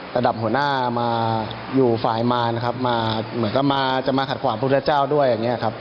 ระดับหัวหน้ามาอยู่ฝ่ายมารครับมาเหมือนกับมาจะมาขัดขวางพุทธเจ้าด้วยอย่างนี้ครับ